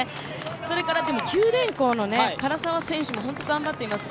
それから、九電工の唐沢選手も本当に頑張っています。